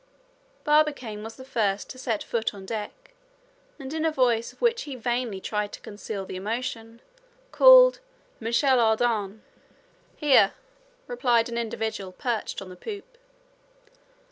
Barbicane was the first to set foot on deck, and in a voice of which he vainly tried to conceal the emotion, called "Michel Ardan." "Here!" replied an individual perched on the poop.